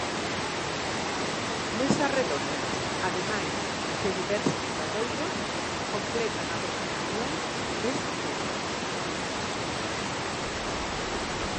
Mesas redondas ademais de diversos obradoiros completan a programación desta feira.